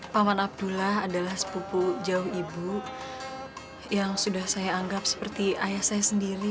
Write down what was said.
paman abdullah adalah sepupu jauh ibu yang sudah saya anggap seperti ayah saya sendiri